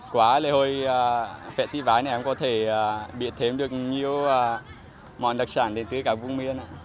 quá lễ hội phẹn thị vái này em có thể biết thêm được nhiều món đặc sản đến từ các vùng miền